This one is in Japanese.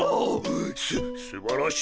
すすばらしい！